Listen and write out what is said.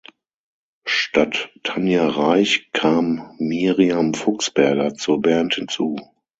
Statt Tanja Raich kam Miriam Fuchsberger zur Band hinzu.